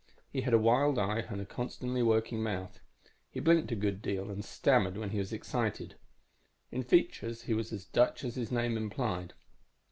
He had a wild eye and a constantly working mouth; he blinked a good deal and stammered when he was excited. In features he was as Dutch as his name implied.